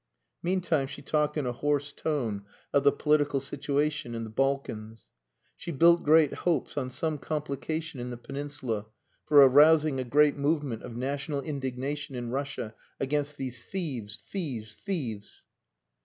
Meantime she talked in a hoarse tone of the political situation in the Balkans. She built great hopes on some complication in the peninsula for arousing a great movement of national indignation in Russia against "these thieves thieves thieves."